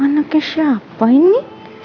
anaknya siapa ini